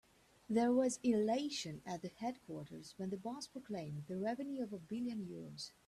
There was elation at the headquarters when the boss proclaimed the revenue of a billion euros.